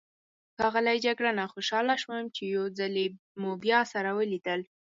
ښاغلی جګړنه، خوشحاله شوم چې یو ځلي مو بیا سره ولیدل.